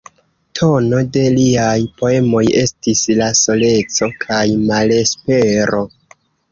Tono de liaj poemoj estis la soleco kaj malespero.